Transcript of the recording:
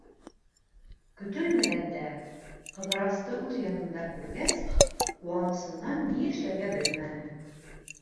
Көтөлмәгәндә Ҡыҙырасты үҙ янында күргәс, ул ҡыуанысынан ни эшләргә белмәне.